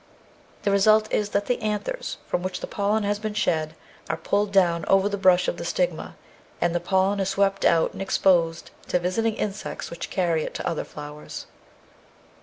The result is that the anthers, from which the pollen has been shed, are pulled down over the brush of the stigma, and the pollen is swept out and exposed to visiting insects which carry it to other flowers.